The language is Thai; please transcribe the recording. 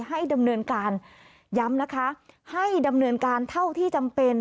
ให้ดำเนินการย้ำนะคะให้ดำเนินการเท่าที่จำเป็น